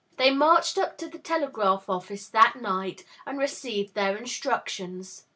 They marched up to the telegraph office that night and received their instructions.